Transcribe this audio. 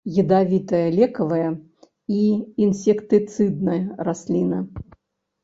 Ядавітая лекавая і інсектыцыдная расліна.